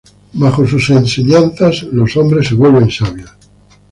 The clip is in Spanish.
Bajo sus enseñanzas los hombres se vuelven sabios.